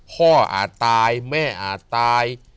อาจตายแม่อาจตาย